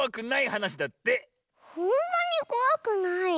ほんとにこわくない？